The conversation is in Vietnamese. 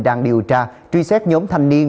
đang điều tra truy xét nhóm thanh niên